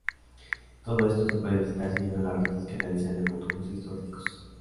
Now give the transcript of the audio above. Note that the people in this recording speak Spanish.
Todo esto se puede visitar siguiendo las rutas que realizan los autobuses turísticos.